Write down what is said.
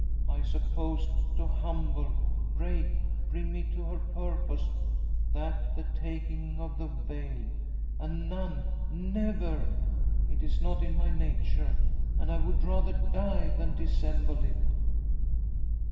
I suppose, to humble, break, bring me to her purpose that the taking of the veil. A nun! Never! It is not in my nature, and I would rather die than dissemble it!"